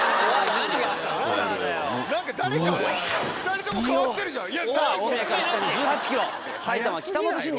２人とも変わってるじゃん！